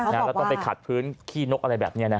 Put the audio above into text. แล้วต้องไปขัดพื้นขี้นกอะไรแบบนี้